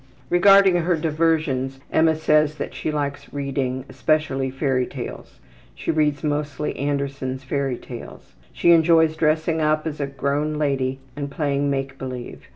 Regarding her diversions Emma says that she likes reading, especially fairy tales. She reads mostly Andersen's Fairy Tales. She enjoys dressing up as a grown lady and playing make believe.